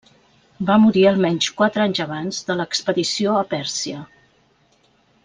Va morir almenys quatre anys abans de l'expedició a Pèrsia.